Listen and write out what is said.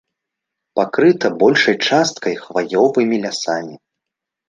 Пакрыта большай часткай хваёвымі лясамі.